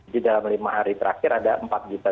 jadi dalam lima hari terakhir ada rp empat juta